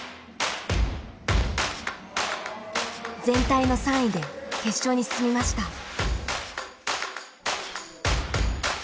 全体の３位で決勝に進みました。